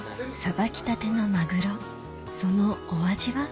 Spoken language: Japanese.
さばきたてのマグロそのお味は？